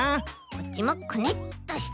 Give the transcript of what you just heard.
こっちもくねっとして。